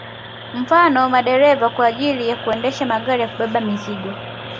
Mfano madereva kwa ajili ya kuendesha magari ya kubeba mizigo